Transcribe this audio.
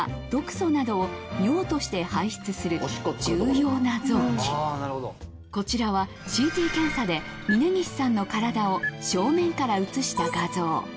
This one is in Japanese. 問題が見つかったのはこちらはＣＴ検査で峯岸さんの体を正面から写した画像。